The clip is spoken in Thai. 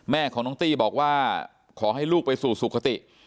แม่ของน้องตี้บอกว่าขอให้ลูกไปสู่สุขติ